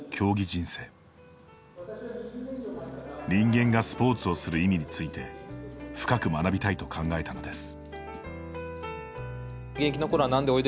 人間がスポーツをする意味について深く学びたいと考えたのです。